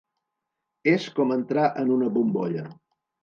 És com entrar en una bombolla.